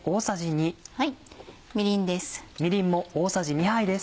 みりんです。